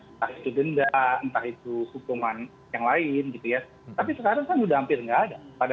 entah itu denda entah itu hukuman yang lain gitu ya tapi sekarang kan sudah hampir nggak ada